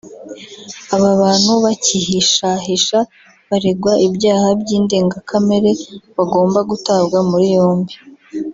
aba bantu bakihishahisha baregwa ibyaha by’indengakamere bagomba gutabwa muri yombi